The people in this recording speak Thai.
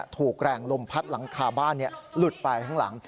ถูกแรงลมพัดหลังคาบ้านหลุดไปข้างหลัง